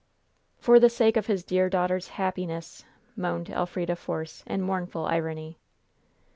"For the sake of his dear daughter's 'happiness'!" moaned Elfrida Force, in mournful irony.